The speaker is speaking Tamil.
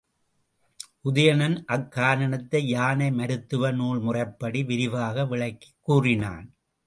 உதயணன் அக் காரணத்தை யானை மருத்துவ நூல் முறைப்படி விரிவாக விளக்கிக் கூறினான்.